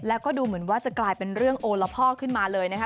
แล้วก็ดูเหมือนว่าจะกลายเป็นเรื่องโอละพ่อขึ้นมาเลยนะคะ